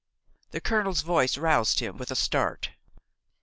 The colonel's voice roused him with a start.